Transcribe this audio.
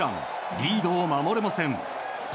リードを守れません。